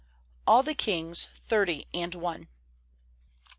All the kings thirty and one.